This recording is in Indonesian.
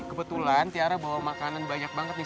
kebetulan tiara bawa makanan banyak banget nih